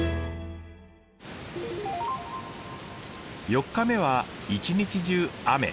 ４日目は一日中雨。